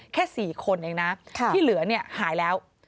แค่๔คนเองนะที่เหลือเนี่ยหายแล้ว